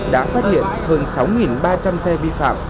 đã phát hiện hơn sáu ba trăm linh xe vi phạm